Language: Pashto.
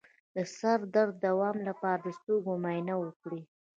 د سر درد د دوام لپاره د سترګو معاینه وکړئ